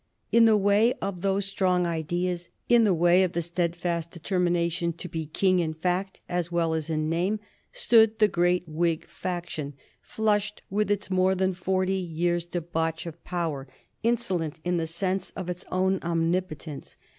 In the way of those strong ideas, in the way of the steadfast determination to be King in fact as well as in name, stood the great Whig faction, flushed with its more than forty years' debauch of power, insolent in the sense of its own omnipotence.